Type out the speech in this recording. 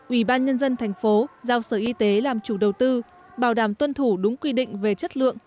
ủy ban nhân dân thành phố giao sở y tế làm chủ đầu tư bảo đảm tuân thủ đúng quy định về chất lượng